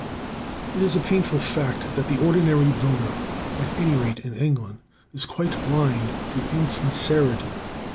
It is a painful fact that the ordinary voter, at any rate in England, is quite blind to insincerity.